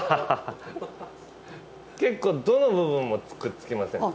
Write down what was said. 結構どの部分もくっつきません？